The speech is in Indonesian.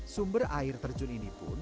sumber air terjun ini pun